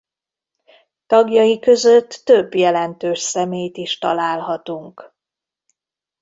Tagjai között több jelentős személyt is találhatunk.